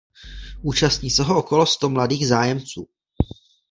Účastní se ho okolo sto mladých zájemců.